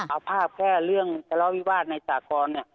เอาภาพแพร่เรื่องเจ้าล้อวิวาสในสากร